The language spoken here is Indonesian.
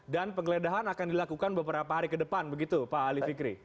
dan penggeledahan akan dilakukan beberapa hari ke depan begitu pak ali fikri